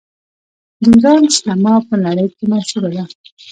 د ایران سینما په نړۍ کې مشهوره ده.